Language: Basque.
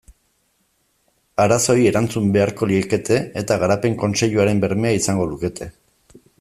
Arazoei erantzun beharko liekete eta Garapen Kontseiluaren bermea izango lukete.